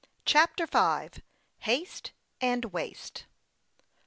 63 CHAPTER V. HASTE AND WASTE.